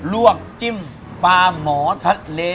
รวกจิ้มปลาหมอทันเล้ว